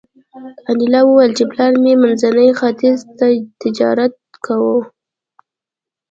انیلا وویل چې پلار مې منځني ختیځ ته تجارت کاوه